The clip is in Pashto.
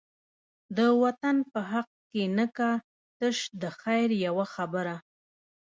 د وطن په حق کی نه کا، تش دخیر یوه خبره